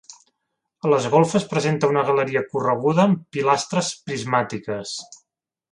A les golfes presenta una galeria correguda amb pilastres prismàtiques.